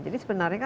jadi sebenarnya kan